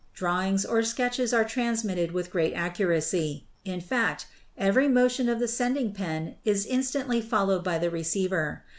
Drawings or sketches are transmitted with great accuracy; in fact, every motion of the sending pen is instantly followed by the receiver.